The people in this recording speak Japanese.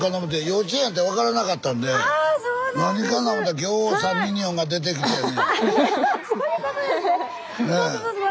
何かな思ったらぎょうさんミニオンが出てきてやね。